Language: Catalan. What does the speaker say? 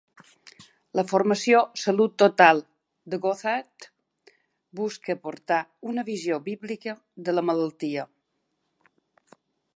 La formació "Salut total" de Gothard busca portar una visió bíblica de la malaltia.